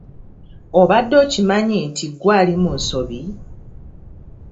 Obadde okimanyi nti ggwe ali mu nsobi?